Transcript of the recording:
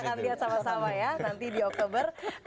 kita akan lihat sama sama ya nanti di oktober